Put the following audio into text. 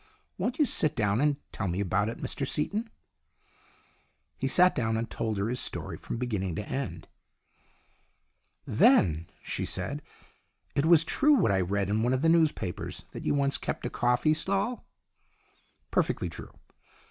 Won't you sit down and tell me about it, Mr Seaton ?" He sat down and told her his story, from beginning to end. "Then," she said, "it was true what I read in one of the newspapers that you once kept a coffee stall?" "Perfectly true.